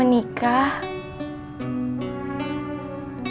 emak teh juga